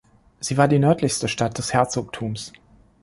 Sie war die nördlichste Stadt des Herzogtums.